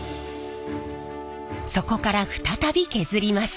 そこから再び削ります。